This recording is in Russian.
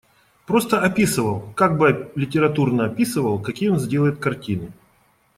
Просто описывал, как бы литературно описывал, какие он сделает картины.